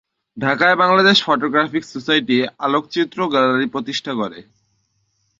ঢাকায় Bangladesh photographic society আলোকচিত্র gallery প্রতিষ্ঠা করে।